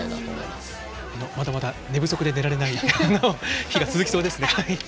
まだまだ寝不足で寝られない日が続きそうですね。